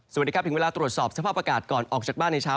สวัสดีครับถึงเวลาตรวจสอบสภาพอากาศก่อนออกจากบ้านในเช้า